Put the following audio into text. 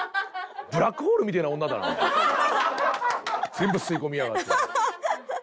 全部吸い込みやがって。